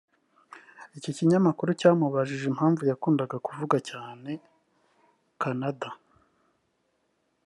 Iki kinyamakuru cyamubajije impamvu yakundaga kuvuga cyane Canada